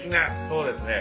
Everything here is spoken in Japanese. そうですね。